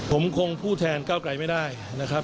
ผมคงผู้แทนเก้าไกลไม่ได้นะครับ